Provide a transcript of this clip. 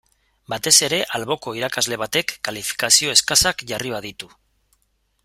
Batez ere alboko irakasle batek kalifikazio eskasak jarri baditu.